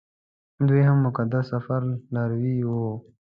دوی هم د مقدس سفر لاروي وو.